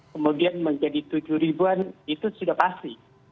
kemudian menjadi tujuh ribuan itu sudah pasti